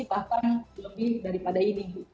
bahkan lebih daripada ini